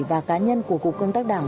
và cá nhân của cuộc công tác đảng